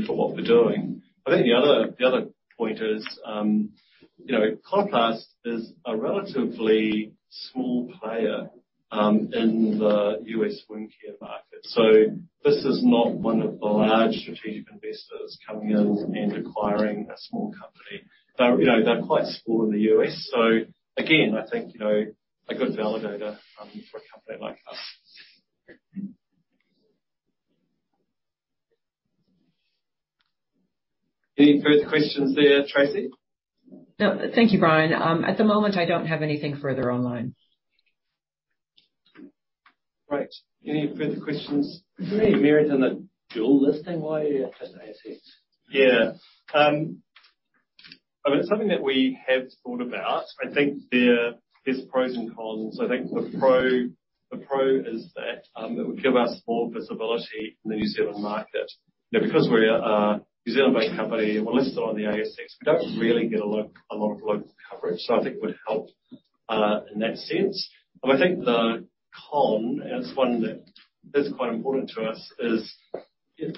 for what we're doing. I think the other, the other point is, you know, Coloplast is a relatively small player, in the U.S. wound care market. This is not one of the large strategic investors coming in and acquiring a small company. They're, you know, they're quite small in the U.S., so again, I think, you know, a good validator, for a company like us. Any further questions there, Tracy? No. Thank you, Brian. At the moment, I don't have anything further online. Great. Any further questions? Is there any merit in the dual listing while you're at ASX? Yeah. I mean, it's something that we have thought about. I think there is pros and cons. I think the pro, the pro is that it would give us more visibility in the New Zealand market. You know, because we're a, a New Zealand-based company and we're listed on the ASX, we don't really get a lot of local coverage, so I think it would help in that sense. I think the con, and it's one that is quite important to us, is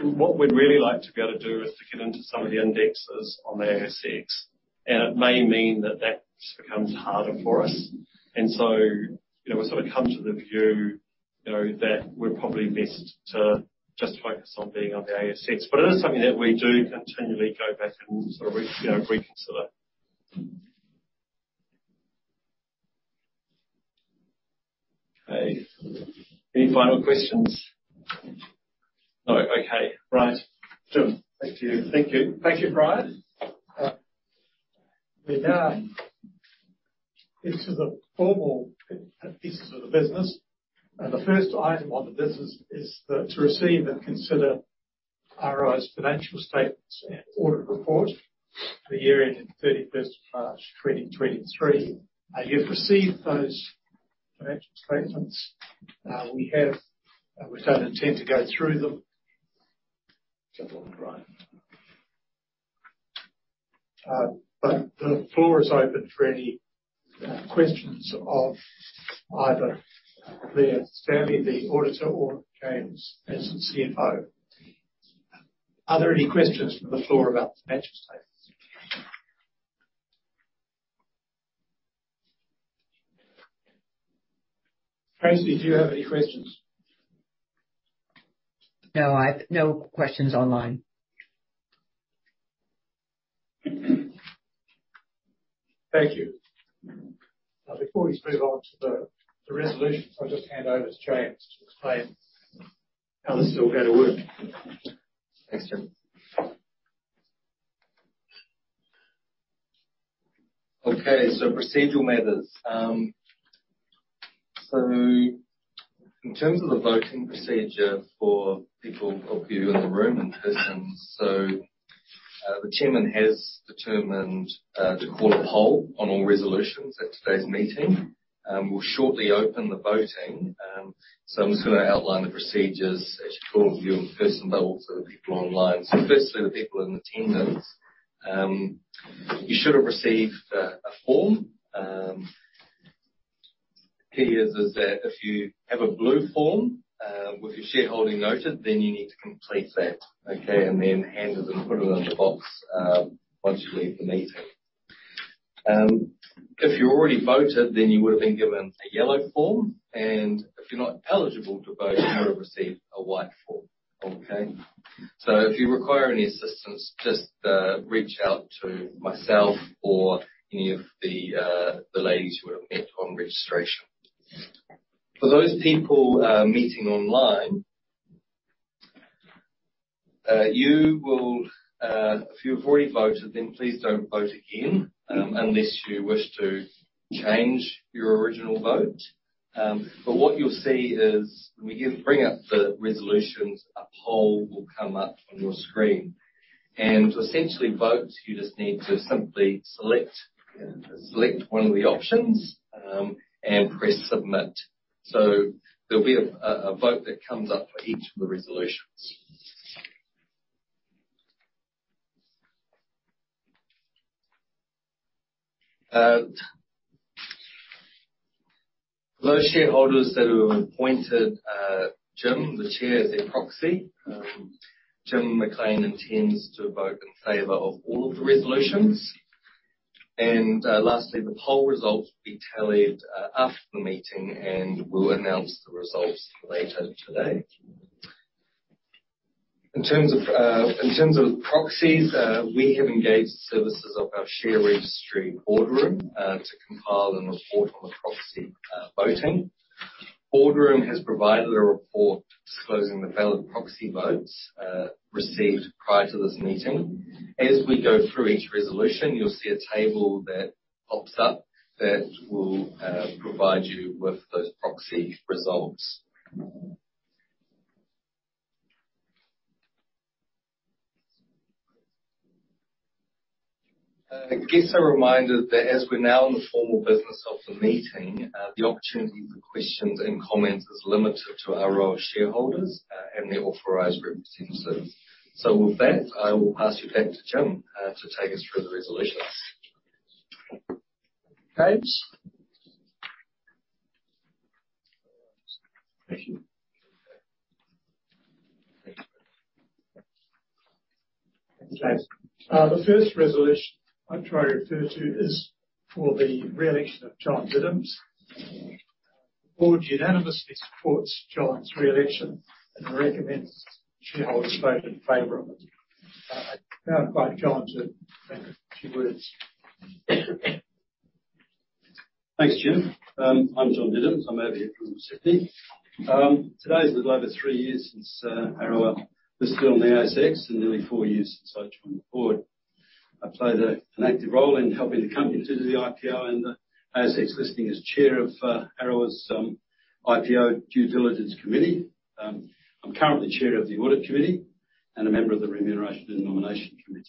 what we'd really like to be able to do is to get into some of the indexes on the ASX, and it may mean that that becomes harder for us. So, you know, we've sort of come to the view, you know, that we're probably best to just focus on being on the ASX. It is something that we do continually go back and sort of, you know, reconsider. Okay. Any final questions? No. Okay. Right. Jim. Thank you. Thank you, Brian. We now get to the formal business of the business. The first item on the business is to receive and consider Aroa's financial statements and audit report for the year ending 31st of March, 2023. You've received those financial statements. We have, we don't intend to go through them. Well, Brian?... The floor is open for any questions of either Clare Stanley, the auditor, or James, as the CFO. Are there any questions from the floor about the financial statements? Tracy, do you have any questions? No, no questions online. Thank you. Now, before we move on to the, the resolutions, I'll just hand over to James to explain how this is all going to work. Thanks, Jim. Okay, procedural matters. In terms of the voting procedure for people, of you in the room in person, so the chairman has determined to call a poll on all resolutions at today's meeting. We'll shortly open the voting. I'm just going to outline the procedures as you call on you in person, but also the people online. Firstly, the people in attendance. You should have received a form. The key is, is that if you have a blue form, with your shareholding noted, then you need to complete that, okay? Then hand it and put it in the box, once you leave the meeting. If you're already voted, then you would have been given a yellow form, and if you're not eligible to vote, you would have received a white form. Okay? If you require any assistance, just reach out to myself or any of the ladies you would have met on registration. For those people meeting online, you will, if you've already voted, then please don't vote again unless you wish to change your original vote. What you'll see is when we give, bring up the resolutions, a poll will come up on your screen. To essentially vote, you just need to simply select, select one of the options and press Submit. There'll be a vote that comes up for each of the resolutions. For those shareholders that have appointed Jim, the chair, as their proxy, Jim McLean intends to vote in favor of all of the resolutions. Lastly, the poll results will be tallied after the meeting, and we'll announce the results later today. In terms of proxies, we have engaged the services of our share registry, Boardroom, to compile a report on the proxy voting. Boardroom has provided a report disclosing the valid proxy votes received prior to this meeting. As we go through each resolution, you'll see a table that pops up that will provide you with those proxy results. I guess a reminder that as we're now in the formal business of the meeting, the opportunity for questions and comments is limited to our role as shareholders and the authorized representatives. With that, I will pass you back to Jim to take us through the resolutions. James. Thank you. Thanks. The first resolution I'm trying to refer to is for the reelection of John Diddams. The board unanimously supports John's reelection and recommends shareholders vote in favor of it. I now invite John to say a few words. Thanks, Jim. I'm John Diddams. I'm over here from Sydney. Today is a little over three years since Aroa was still on the ASX, and nearly four years since I joined the board. I played an active role in helping the company into the IPO and the ASX listing as chair of Aroa's IPO Due Diligence Committee. I'm currently chair of the Audit Committee and a member of the Remuneration and Nomination Committee.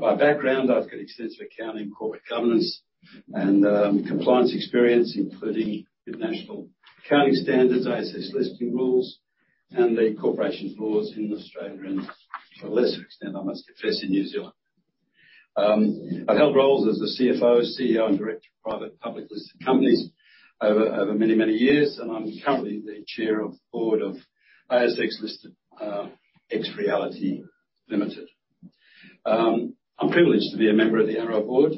My background, I've got extensive accounting, corporate governance, and compliance experience, including with National Accounting Standards, ASX Listing Rules, and the corporations laws in Australia, and to a lesser extent, I must confess, in New Zealand. I've held roles as the CFO, CEO, and director of private public listed companies over, over many, many years, and I'm currently the chair of the board of ASX-listed XReality Limited. I'm privileged to be a member of the Aroa board.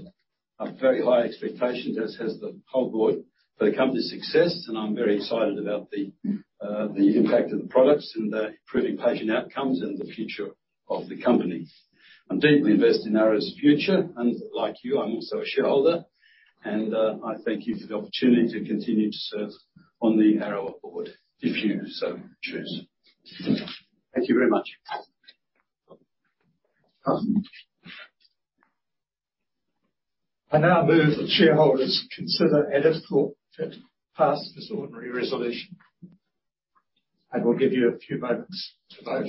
I have very high expectations, as has the whole board, for the company's success, and I'm very excited about the impact of the products and improving patient outcomes and the future of the company. I'm deeply invested in Aroa's future, and like you, I'm also a shareholder, and I thank you for the opportunity to continue to serve on the Aroa board, if you so choose. Thank you very much. I now move that shareholders consider and, if thought fit, pass this ordinary resolution. I will give you a few moments to vote.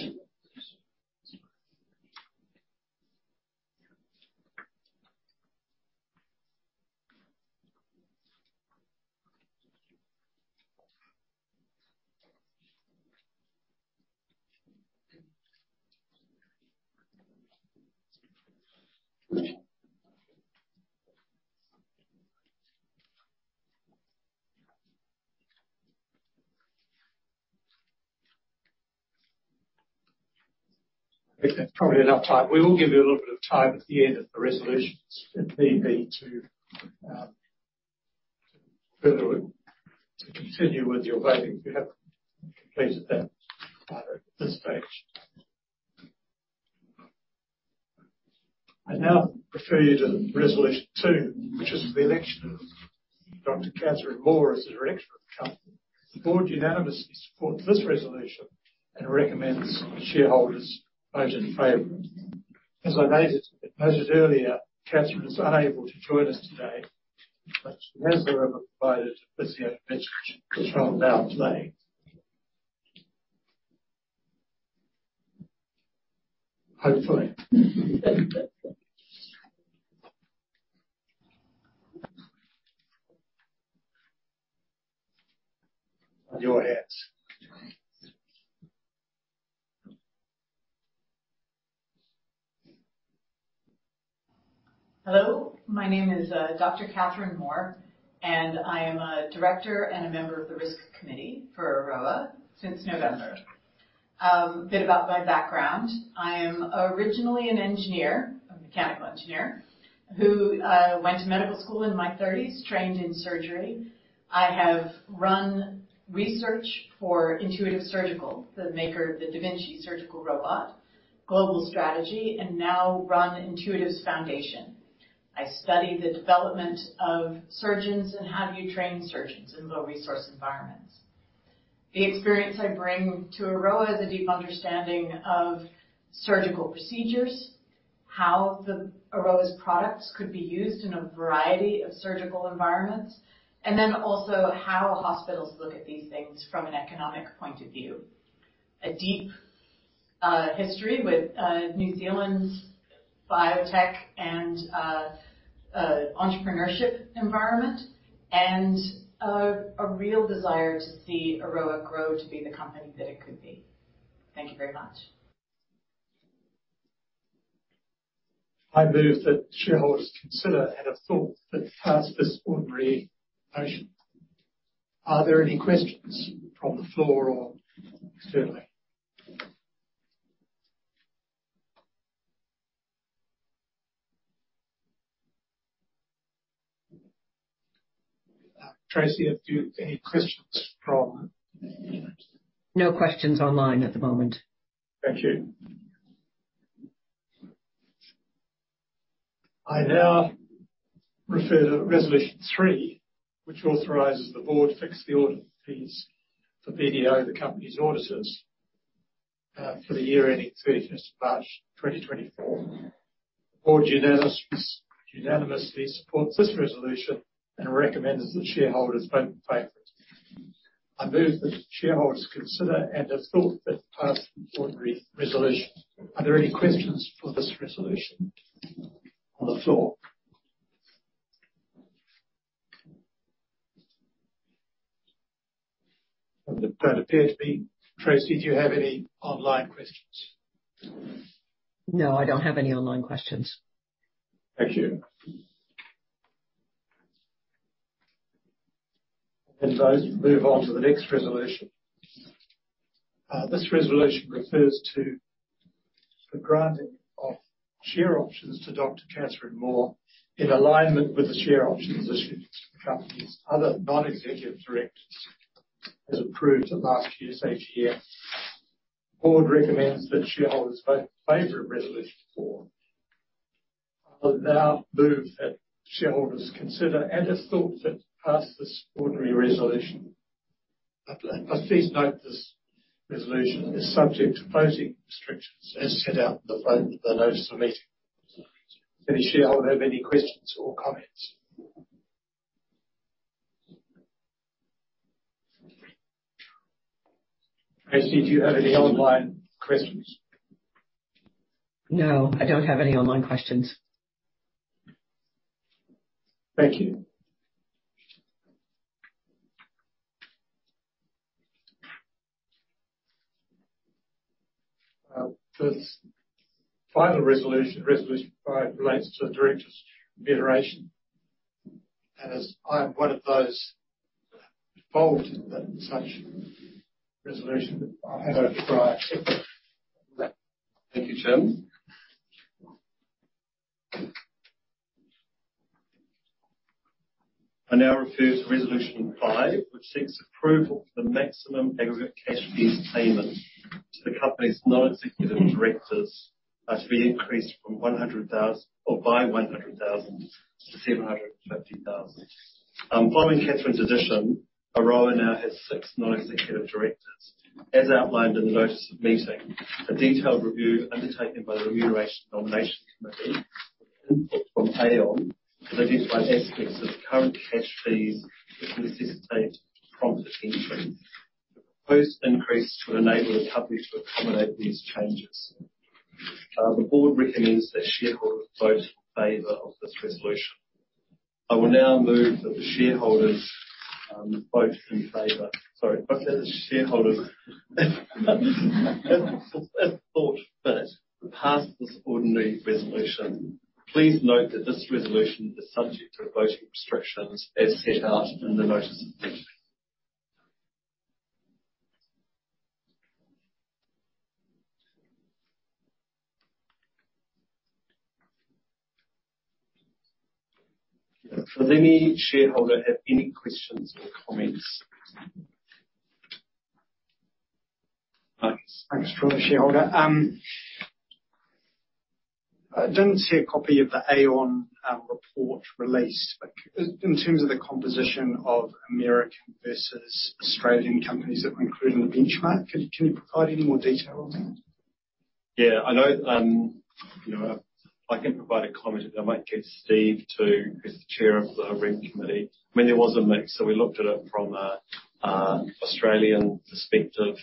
I think that's probably enough time. We will give you a little bit of time at the end of the resolutions, if need be, to continue with your voting, if you haven't completed that at this stage. I now refer you to resolution two, which is the election of Dr. Catherine Mohr as a director of the company. The board unanimously supports this resolution and recommends shareholders vote in favor. As I noted earlier, Catherine was unable to join us today, but she has, however, provided a video message, which will now play. Hopefully. Your hands. Hello, my name is Dr. Catherine Mohr, and I am a director and a member of the Risk Committee for Aroa since November. A bit about my background. I am originally an engineer, a mechanical engineer, who went to medical school in my 30s, trained in surgery. I have run research for Intuitive Surgical, the maker of the da Vinci surgical robot, Global Strategy, and now run Intuitive's foundation. I study the development of surgeons and how do you train surgeons in low-resource environments. The experience I bring to Aroa is a deep understanding of surgical procedures, how the Aroa's products could be used in a variety of surgical environments, and then also how hospitals look at these things from an economic point of view. A deep history with New Zealand's biotech and entrepreneurship environment, and a real desire to see Aroa grow to be the company that it could be. Thank you very much. I move that shareholders consider and have thought that pass this ordinary motion. Are there any questions from the floor or externally? Tracy, are there any questions? No questions online at the moment. Thank you. I now refer to resolution three, which authorizes the board to fix the audit fees for BDO, the company's auditors, for the year ending 30th March 2024. The board unanimously, unanimously supports this resolution and recommends that shareholders vote in favor it. I move that the shareholders consider and have thought that passed the ordinary resolution. Are there any questions for this resolution on the floor? That appear to be. Tracy, do you have any online questions? No, I don't have any online questions. Thank you. Move on to the next resolution. This resolution refers to the granting of share options to Dr. Catherine Mohr in alignment with the share options issued to the company's other non-executive directors, as approved at last year's AGM. The board recommends that shareholders vote in favor of resolution four. I will now move that shareholders consider and as thought fit, pass this ordinary resolution. Please note, this resolution is subject to closing restrictions as set out in the vote of the notice of meeting. Any shareholder have any questions or comments? Tracy, do you have any online questions? No, I don't have any online questions. Thank you. This final resolution, resolution five, relates to the directors' remuneration. As I am one of those involved in that, such resolution, I have a prior acceptance. Thank you, Jim. I now refer to resolution five, which seeks approval for the maximum aggregate cash fee payment to the company's non-executive directors, to be increased from 100,000 or by 100,000 to 750,000. Following Catherine's addition, Aroa now has six non-executive directors. As outlined in the notice of meeting, a detailed review undertaken by the Remuneration Nomination Committee, input from Aon, to identify aspects of the current cash fees that necessitate prompt attention. The proposed increase to enable the company to accommodate these changes. The board recommends that shareholders vote in favor of this resolution. I will now move that the shareholders vote in favor. Sorry, but that the shareholders as, as thought fit to pass this ordinary resolution. Please note that this resolution is subject to voting restrictions as set out in the notice of meeting. Does any shareholder have any questions or comments? Thanks. Thanks for the shareholder. I didn't see a copy of the AON report released. In terms of the composition of American versus Australian companies that were included in the benchmark, can you provide any more detail on that? Yeah, I know, you know, I can provide a comment. I might get Steve to, as the chair of the REM committee. I mean, there was a mix. We looked at it from a Australian perspective,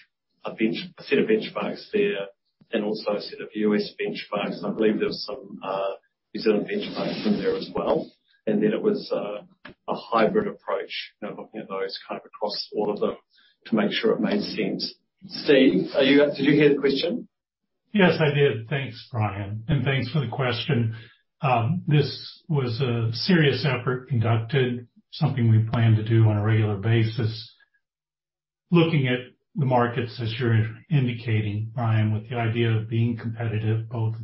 a bench, a set of benchmarks there, and also a set of U.S. benchmarks. I believe there was some New Zealand benchmarks in there as well. It was a hybrid approach, you know, looking at those kind of across all of them to make sure it made sense. Steve, are you, did you hear the question? Yes, I did. Thanks, Brian, and thanks for the question. This was a serious effort conducted, something we plan to do on a regular basis. Looking at the markets, as you're indicating, Brian, with the idea of being competitive, both,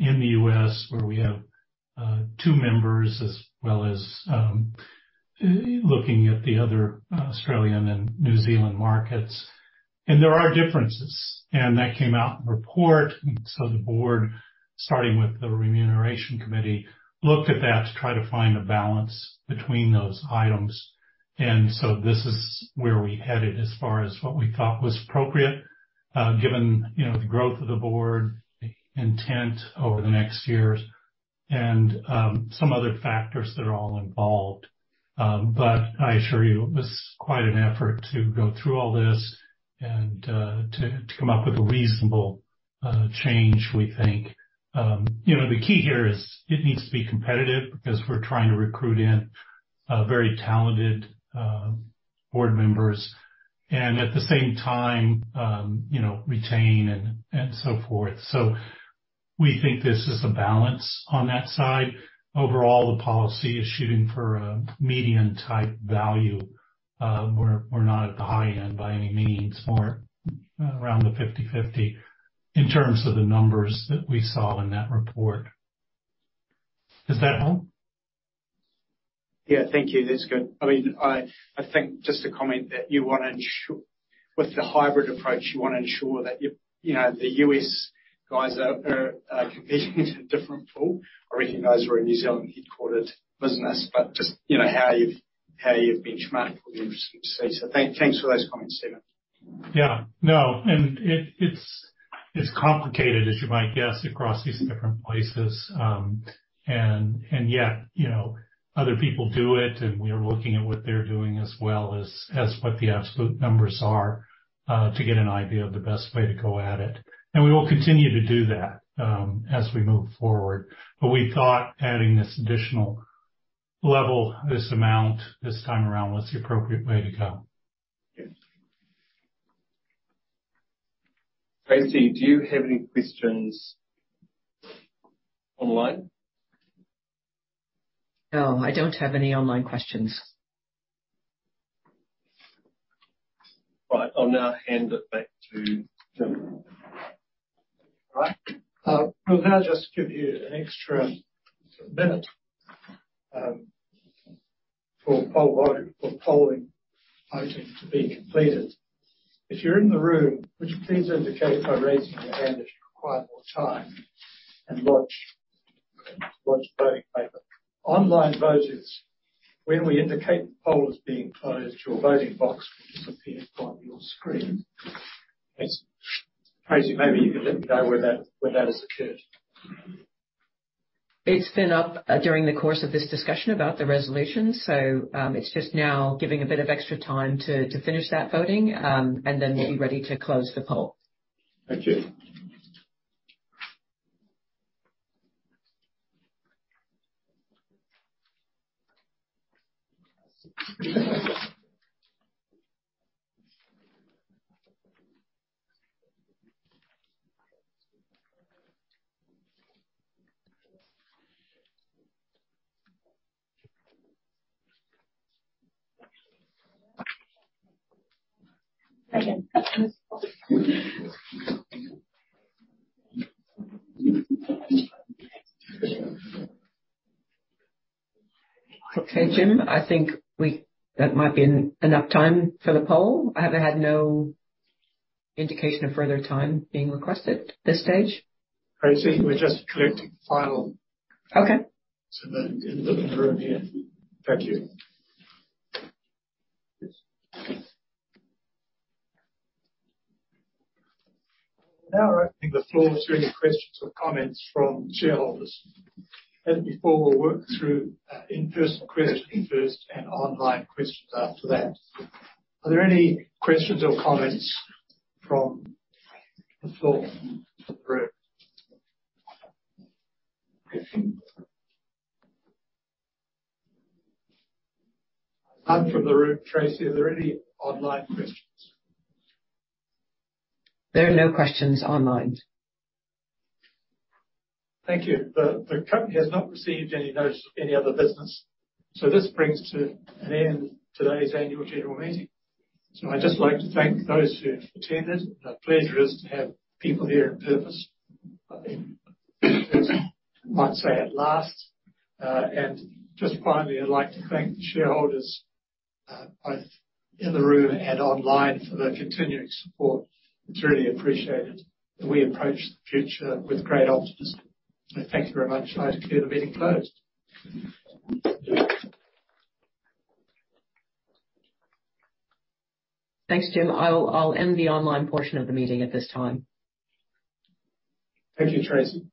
in the U.S., where we have two members, as well as, looking at the other Australian and New Zealand markets. There are differences, and that came out in the report. The board, starting with the Remuneration Committee, looked at that to try to find a balance between those items. So this is where we headed as far as what we thought was appropriate, given, you know, the growth of the board, intent over the next years, and some other factors that are all involved. I assure you, it was quite an effort to go through all this and to come up with a reasonable change, we think. You know, the key here is it needs to be competitive because we're trying to recruit in very talented board members and at the same time, you know, retain and so forth. We think this is a balance on that side. Overall, the policy is shooting for a median-type value. We're not at the high end by any means, more around the 50/50 in terms of the numbers that we saw in that report. Is that help? Yeah, thank you. That's good. I mean, I, I think just a comment that you want to ensure... With the hybrid approach, you want to ensure that you, you know, the U.S. guys are, are, are competing in a different pool. I recognize we're a New Zealand headquartered business, but just, you know, how you've, how you've benchmarked will be interesting to see. Thanks for those comments, Steven. Yeah. No, and it, it's, it's complicated, as you might guess, across these different places. Yet, you know, other people do it, and we are looking at what they're doing as well as, as what the absolute numbers are to get an idea of the best way to go at it. We will continue to do that as we move forward. We thought adding this additional level, this amount, this time around, was the appropriate way to go. Yeah. Tracy, do you have any questions online? No, I don't have any online questions. Right. I'll now hand it back to Jim. Right. We'll now just give you an extra minute for poll voting, for polling voting to be completed. If you're in the room, would you please indicate by raising your hand if you require more time and lodge, lodge voting paper? Online voters, when we indicate the poll is being closed, your voting box will disappear from your screen. It's Tracy, maybe you can let me know where that, where that has occurred. It's been up during the course of this discussion about the resolution, so, it's just now giving a bit of extra time to, to finish that voting, and then we'll be ready to close the poll. Thank you. Okay, Jim, I think we. That might be an enough time for the poll. I have had no indication of further time being requested at this stage. Tracy, we're just collecting final- Okay. In the room here. Thank you. Yes. Now, we're opening the floor to any questions or comments from shareholders. Before we'll work through in-person question first and online questions after that, are there any questions or comments from the floor group? None from the room. Tracy, are there any online questions? There are no questions online. Thank you. The, the company has not received any notice of any other business. This brings to an end today's annual general meeting. I'd just like to thank those who attended. The pleasure is to have people here in person. I think, might say at last. Just finally, I'd like to thank the shareholders, both in the room and online, for their continuing support. It's really appreciated, and we approach the future with great optimism. Thank you very much. I declare the meeting closed. Thanks, Jim. I'll, I'll end the online portion of the meeting at this time. Thank you, Tracy.